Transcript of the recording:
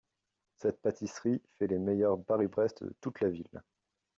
Cette pâtisserie fait les meilleurs Paris-Brest de toute la ville.